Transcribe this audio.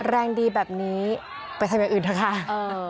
แรงดีแบบนี้ไปทำอย่างอื่นเถอะค่ะ